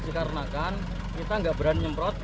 kita tidak berani nyemprot